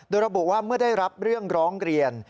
โดยระบุว่าเมื่อได้รับเรื่องร้องเรียน